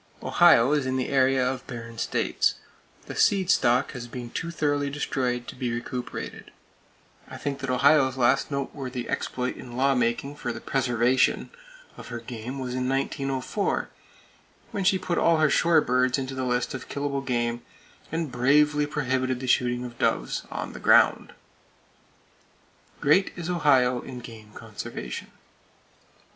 Ohio is in the area of barren states. The seed stock has been too thoroughly destroyed to be recuperated. I think that Ohio's last noteworthy exploit in lawmaking for the preservation (!) of her game was in 1904, when she put all her shore birds into the list of killable game, and bravely prohibited the shooting of doves on the ground! Great is Ohio in game conservation!